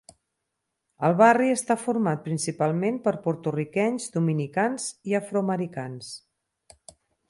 El barri està format principalment per porto-riquenys, dominicans i afroamericans.